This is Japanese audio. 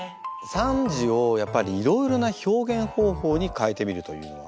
３時をやっぱりいろいろな表現方法に変えてみるというのは。